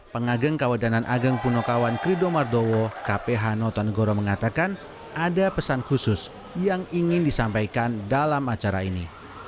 pengageng kawedanan ageng punokawan krido mardowo kp hano tonegoro mengatakan ada pesan khusus yang ingin disampaikan dalam acara ini